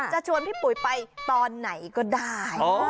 จะชวนพี่ปุ๋ยไปตอนไหนก็ได้